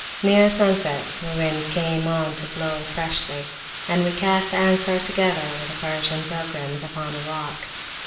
Near sunset the wind came on to blow freshly, and we cast anchor together with the Persian pilgrims upon a rock.